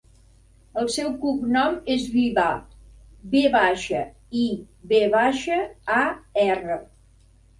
El seu cognom és Vivar: ve baixa, i, ve baixa, a, erra.